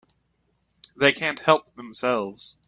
They can't help themselves.